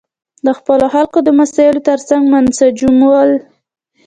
د خپلو خلکو د مسایلو ترڅنګ منسجمول.